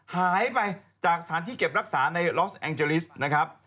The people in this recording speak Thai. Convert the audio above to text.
หายไปจากสถานที่เก็บรักษาในลอสแองเจลิสนะครับ